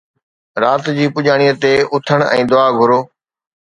رات جي پڄاڻيءَ تي، اٿڻ ۽ دعا گهرو